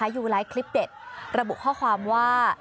ยูไลฟ์คลิปเด็ดระบุข้อความว่า